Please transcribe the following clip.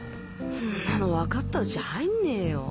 んなの分かったうち入んねえよ。